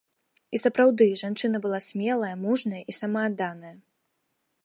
І сапраўды, жанчына была смелая, мужная і самаадданая.